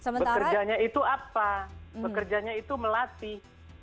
bekerjanya itu apa pekerjanya itu melatih